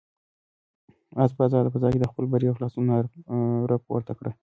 آس په آزاده فضا کې د خپل بري او خلاصون ناره پورته کړه.